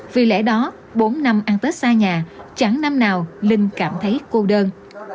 vì lẽ đó bốn năm ăn tết xa nhà chẳng năm nào linh cảm thấy cô đơn